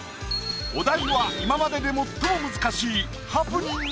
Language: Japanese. お題は今までで最も難しい。